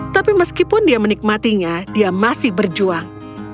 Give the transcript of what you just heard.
tapi meskipun dia menikmatinya dia masih berjuang